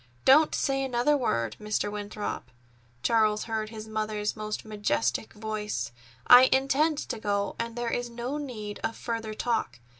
"Don't say another word, Mr. Winthrop," Charles heard his mother's most majestic voice. "I intend to go, and there is no need of further talk.